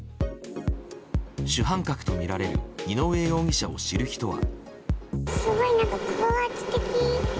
主犯格とみられる井上容疑者を知る人は。